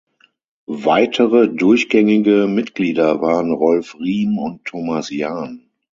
Weitere durchgängige Mitglieder waren Rolf Riehm und Thomas Jahn.